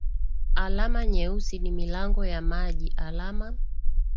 Alama nyeusi ni milango ya maji alama